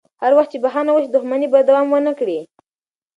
هر وخت چې بخښنه وشي، دښمني به دوام ونه کړي.